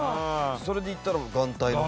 それでいったら眼帯の方。